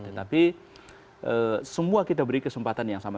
tetapi semua kita beri kesempatan yang sama